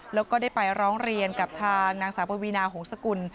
แล้วก็ได้ไปร้องเรียนกับทางนางสาวปวีนาหงษกุล